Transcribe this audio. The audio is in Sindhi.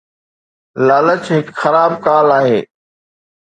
لالچ هڪ خراب ڪال آهي